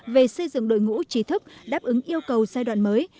về xây dựng đội ngũ trí thức đáp ứng yêu cầu giai đoạn mới